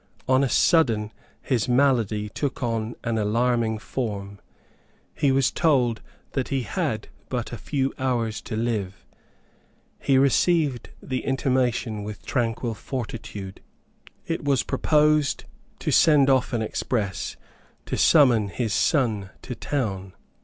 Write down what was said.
On a sudden his malady took an alarming form. He was told that he had but a few hours to live. He received the intimation with tranquil fortitude. It was proposed to send off an express to summon his son to town.